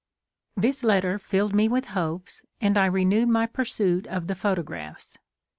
This letter filled me with hopes, and I re newed my pursuit of the photographs.